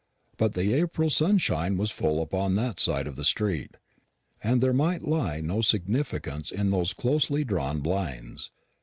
But the April sunshine was full upon that side of the street, and there might lie no significance in those closely drawn blinds.